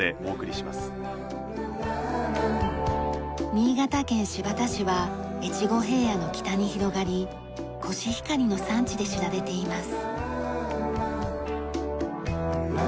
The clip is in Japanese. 新潟県新発田市は越後平野の北に広がりコシヒカリの産地で知られています。